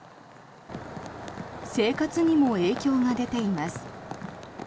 生活にも影響が出ています。